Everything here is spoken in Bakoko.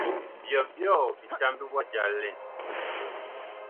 Byɔbyɔɔ bitambi wa jal naŋ ?